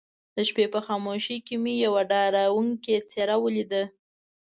د شپې په خاموشۍ کې مې يوه ډارونکې څېره وليده.